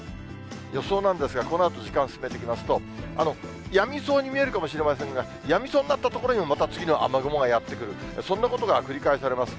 予想なんですが、このあと、時間進めていきますと、やみそうに見えるかもしれませんが、やみそうになったところに、また次の雨雲がやって来る、そんなことが繰り返されます。